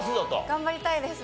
頑張りたいです。